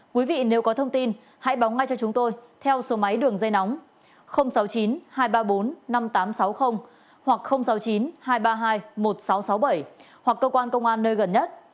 quý vị nếu có thông tin hãy báo ngay cho chúng tôi theo số máy đường dây nóng sáu mươi chín hai trăm ba mươi bốn năm nghìn tám trăm sáu mươi hoặc sáu mươi chín hai trăm ba mươi hai một nghìn sáu trăm sáu mươi bảy hoặc cơ quan công an nơi gần nhất